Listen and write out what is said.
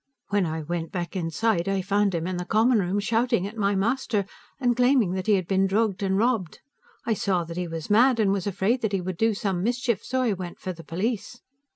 When I went back inside, I found him in the common room shouting at my master, and claiming that he had been drugged and robbed. I saw that he was mad and was afraid that he would do some mischief, so I went for the police.